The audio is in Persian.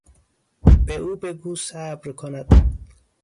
به او بگو صبر کند.